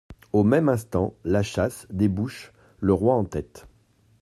Au même instant, la chasse débouche, le roi en tête.